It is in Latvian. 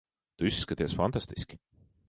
Tu izskaties fantastiski.